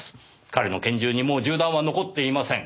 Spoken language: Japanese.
彼の拳銃にもう銃弾は残っていません。